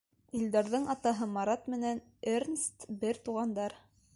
Илдарҙың атаһы Марат менән Эрнст — бер туғандар.